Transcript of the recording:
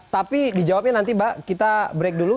tapi dijawabnya nanti mbak kita break dulu